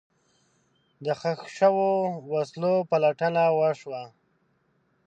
د ښخ شوو وسلو پلټنه وشوه.